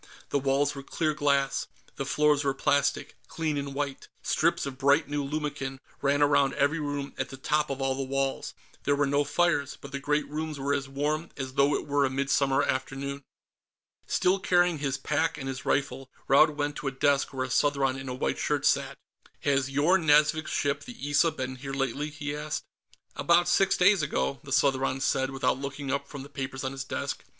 The walls were clear glass. The floors were plastic, clean and white. Strips of bright new lumicon ran around every room at the tops of all the walls. There were no fires, but the great rooms were as warm as though it were a midsummer afternoon. Still carrying his pack and his rifle, Raud went to a desk where a Southron in a white shirt sat. "Has Yorn Nazvik's ship, the Issa, been here lately?" he asked. "About six days ago," the Southron said, without looking up from the papers on his desk.